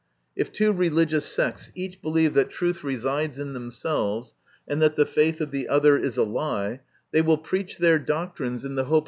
If two religious sects each believe that truth resides in them selves, and that the faith of the other is a lie, they will preach their doctrines in the hope MY CONFESS/ON.